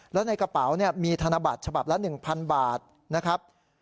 แล้วในกระเป๋าเนี้ยมีธนบัตรฉบับละหนึ่งพันบาทนะครับ